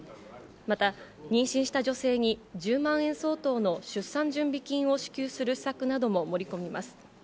また妊娠した女性に１０万円相当の出産準備金を支給する施策なども盛り込みます。